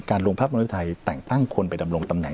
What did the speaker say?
การลงพระอำนาจอธิปไตยแต่งตั้งคนไปดำรมตำแหน่ง